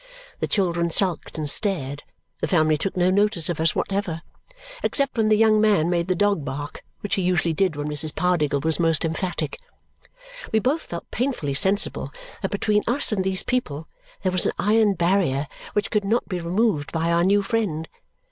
The children sulked and stared; the family took no notice of us whatever, except when the young man made the dog bark, which he usually did when Mrs. Pardiggle was most emphatic. We both felt painfully sensible that between us and these people there was an iron barrier which could not be removed by our new friend.